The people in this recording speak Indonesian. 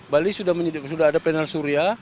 bali sudah ada panel surya